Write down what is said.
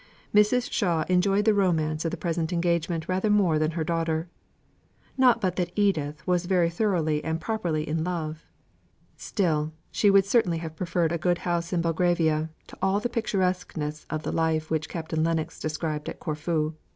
Mrs. Shaw enjoyed the romance of the present engagement rather more than her daughter. Not but that Edith was very thoroughly and properly in love; still she would certainly have preferred a good house in Belgravia, to all the picturesqueness of the life which Captain Lennox described at Corfu.